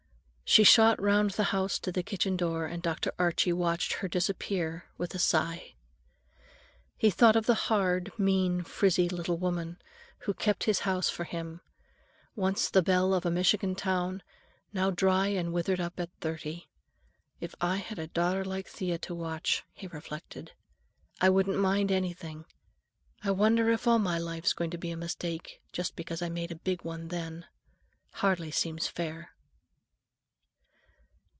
She shot round the house to the kitchen door, and Dr. Archie watched her disappear with a sigh. He thought of the hard, mean, frizzy little woman who kept his house for him; once the belle of a Michigan town, now dry and withered up at thirty. "If I had a daughter like Thea to watch," he reflected, "I wouldn't mind anything. I wonder if all of my life's going to be a mistake just because I made a big one then? Hardly seems fair."